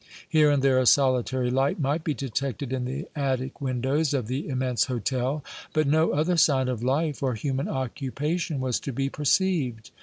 Here and there a solitary light might be detected in the attic windows of the immense hôtel; but no other sign of life or human occupation was to be perceived.